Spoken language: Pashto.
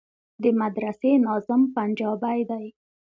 د مدرسې ناظم پنجابى دى.